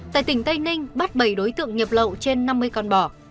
tại tỉnh tây ninh bắt bảy đối tượng nhập lậu trên năm mươi con bò